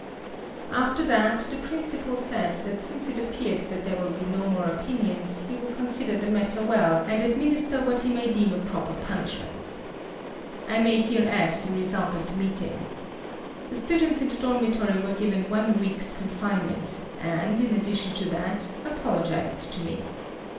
After that the principal said that since it appeared that there will be no more opinions, he will consider the matter well and administer what he may deem a proper punishment. I may here add the result of the meeting. The students in the dormitory were given one week's confinement, and in addition to that, apologized to me.